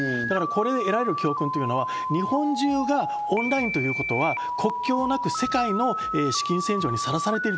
これで得られる教訓というのは日本中がオンラインということは、国境なく世界の資金洗浄にさらされてい